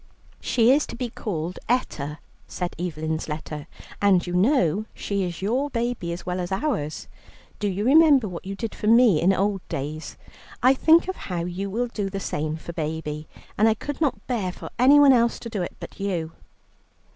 "She is to be called Etta," said Evelyn's letter, "and you know she is your baby as well as ours. Do you remember what you did for me in old days? I think of how you will do the same for baby, and I could not bear for anyone else to do it but you."